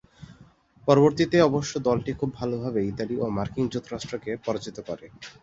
পরবর্তীতে অবশ্য দলটি খুব ভালোভাবে ইতালি ও মার্কিন যুক্তরাষ্ট্রকে পরাজিত করে।